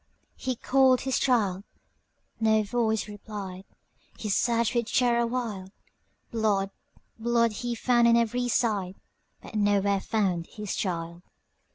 He called his child,—no voice replied,—He searched with terror wild; Blood, blood, he found on every side, But nowhere found his child.